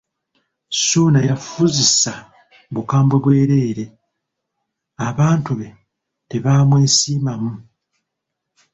Ssuuna yafuzisa bukambwe bwereere, abantu be tebaamwesiimamu.